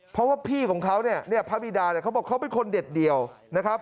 เพราะว่าพี่ของเขาเนี่ยเนี่ยพระบิดาเนี่ยเขาบอกเขาเป็นคนเด็ดเดียวนะครับ